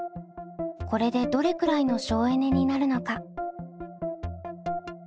これでどれくらいの省エネになるのか。